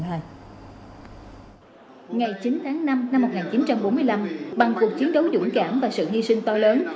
ngày chín tháng năm năm một nghìn chín trăm bốn mươi năm bằng cuộc chiến đấu dũng cảm và sự hy sinh to lớn